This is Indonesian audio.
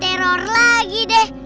teror lagi deh